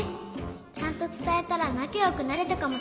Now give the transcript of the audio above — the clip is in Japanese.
ちゃんとつたえたらなかよくなれたかもしれないのに。